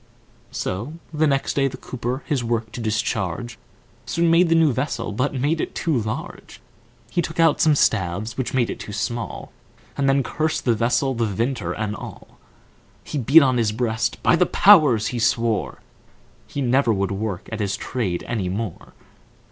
So the next day the Cooper his work to discharge, Soon made the new vessel, but made it too large; He took out some staves, which made it too small, And then cursed the vessel, the Vintner and all. He beat on his breast, "By the Powers!" he swore, He never would work at his trade any more.